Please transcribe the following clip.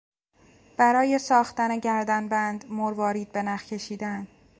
برای ساختن گردنبند مروارید به نخ کشیدن